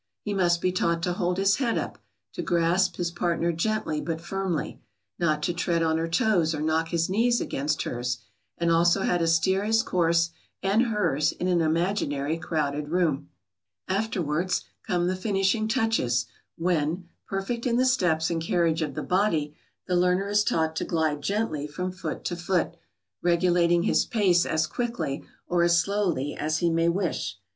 He must be taught to hold his head up, to grasp his partner gently but firmly, not to tread on her toes or knock his knees against hers, and also how to steer his course and hers in an imaginary crowded room. [Sidenote: The finishing touches.] Afterwards come the finishing touches, when, perfect in the steps and carriage of the body, the learner is taught to glide gently from foot to foot, regulating his pace as quickly or as slowly as he may wish.